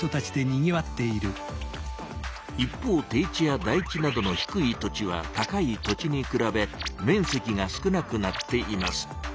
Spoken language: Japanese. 一方低地や台地などの低い土地は高い土地にくらべ面積が少なくなっています。